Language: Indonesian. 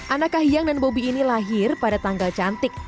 anak kahiyang dan bobi ini lahir pada tanggal cantik